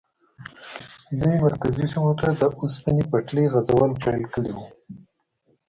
دوی مرکزي سیمو ته د اوسپنې پټلۍ غځول پیل کړي وو.